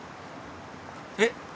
えっ！？